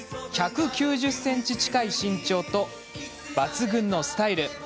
１９０ｃｍ近い身長と抜群のスタイル。